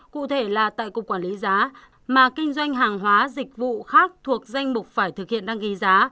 cụ thể là tại cục quản lý giá mà kinh doanh hàng hóa dịch vụ khác thuộc danh mục phải thực hiện đăng ký giá